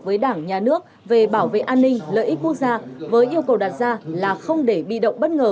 với đảng nhà nước về bảo vệ an ninh lợi ích quốc gia với yêu cầu đặt ra là không để bị động bất ngờ